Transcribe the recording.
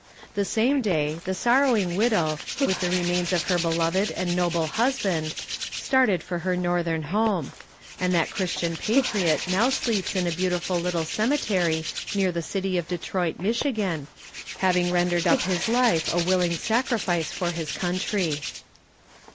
The same day, the sorrowing widow, with the remains of her beloved and noble husband, started for her northern home; and that christian patriot now sleeps in a beautiful little cemetery near the city of Detroit, Michigan, having rendered up his life a willing sacrifice for his country.